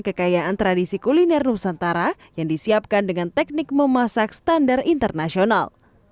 kekayaan tradisi kuliner nusantara yang disiapkan dengan teknik memasak standar internasional